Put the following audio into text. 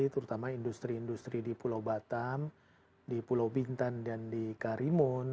terutama industri industri di pulau batam di pulau bintan dan di karimun